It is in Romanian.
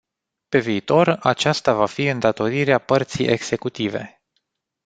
Pe viitor, aceasta va fi îndatorirea părții executive.